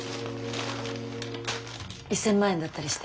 １，０００万円だったりして。